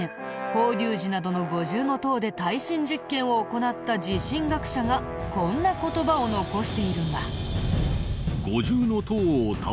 法隆寺などの五重塔で耐震実験を行った地震学者がこんな言葉を残しているんだ。